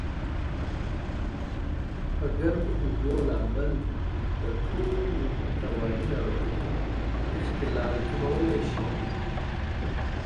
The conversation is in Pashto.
په ګرمو اوبو لامبل دټولو رواني ناروغیو اختلال کمولای شي.